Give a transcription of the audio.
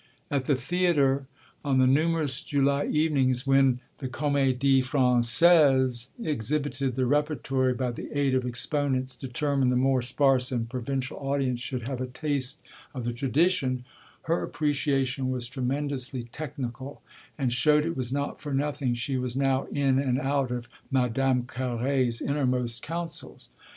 At the theatre, on the numerous July evenings when the Comédie Française exhibited the repertory by the aid of exponents determined the more sparse and provincial audience should have a taste of the tradition, her appreciation was tremendously technical and showed it was not for nothing she was now in and out of Madame Carré's innermost counsels.